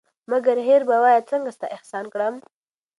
مگر هېر به وایه څنگه ستا احسان کړم